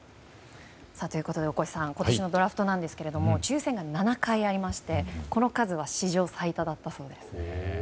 ということで大越さん今年のドラフトですが抽選が７回ありまして、この数は史上最多だったそうです。